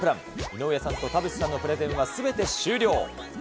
井上さんと田渕さんのプレゼンはすべて終了。